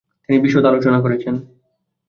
তিনি বিশদ আলোচনা করেছেন।